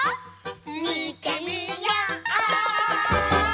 みてみよう！